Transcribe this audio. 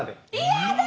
嫌だ！